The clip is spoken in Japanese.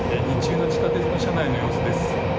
日中の地下鉄の車内の様子です。